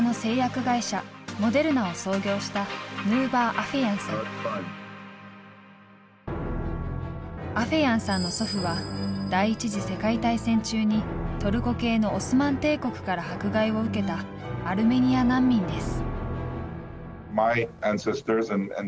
アメリカの製薬会社アフェヤンさんの祖父は第一次世界大戦中にトルコ系のオスマン帝国から迫害を受けたアルメニア難民です。